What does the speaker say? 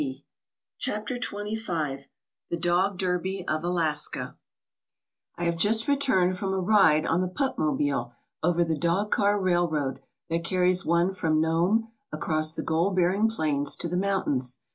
CHAPTER XXV THE DOG DERBY OF ALASKA I HAVE just returned from a ride on the Pup mobile over the Dog Car railroad that carries one from Nome across the gold bearing plains to the mountains.